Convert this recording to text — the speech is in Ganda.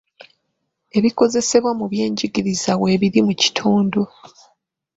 Ebikozesebwa mu byenjigiriza weebiri mu kitundu.